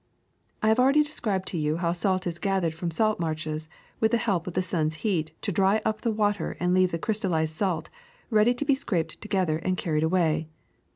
^^I have already described^ to you how salt is gathered from salt marshes with the help of the sun's heat to dry up the water and leave the crystallized salt ready to be scraped together and carried away.